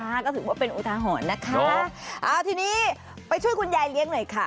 ก็ถือว่าเป็นอุทาหรณ์นะคะเอาทีนี้ไปช่วยคุณยายเลี้ยงหน่อยค่ะ